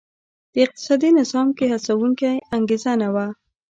د اقتصادي نظام کې هڅوونکې انګېزه نه وه.